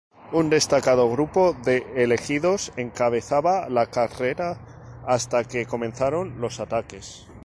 Un destacado grupo de 'elegidos' encabezaba la carrera hasta que comenzaron los ataques.